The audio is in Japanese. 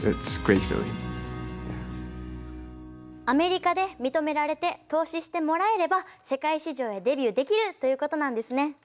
アメリカで認められて投資してもらえれば世界市場へデビューできるということなんですね。